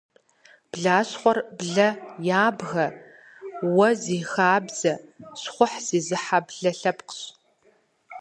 Блащхъуэр блэ ябгэ, уэ зи хабзэ, щхъухь зезыхьэ блэ лъэпкъщ.